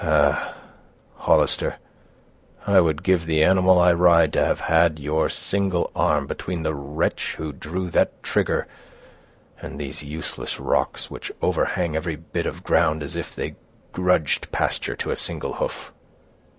"Ah! Hollister, I would give the animal I ride, to have had your single arm between the wretch who drew that trigger and these useless rocks, which overhang every bit of ground, as if they grudged pasture to a single hoof."